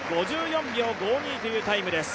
５４秒５２というタイムです。